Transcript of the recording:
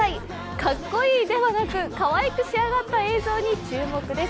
かっこいいではなくかわいく仕上がった映像に注目です。